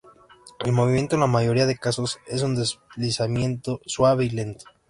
El movimiento en la mayoría de casos es un deslizamiento suave y lento.